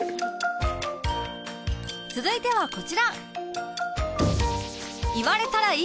続いてはこちら